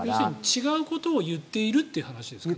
違うことを言っているということですか？